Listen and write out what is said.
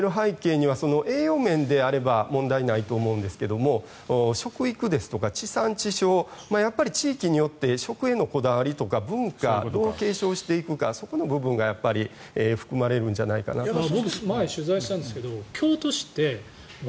みんなで決める背景は栄養面であれば問題ないと思うんですが食育ですとか地産地消地域によって食へのこだわりとか文化を継承していくそこの部分が含まれるのではと思います。